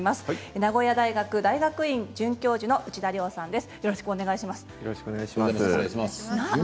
名古屋大学大学院准教授の内田良さんです。